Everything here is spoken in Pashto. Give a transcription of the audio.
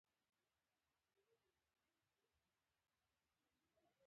هر څوک به یو وخت د خاورې لاندې وي.